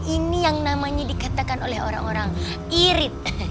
ini yang namanya dikatakan oleh orang orang irit